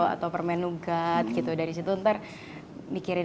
atau permen lugat gitu dari situ ntar mikirin